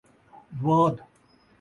ض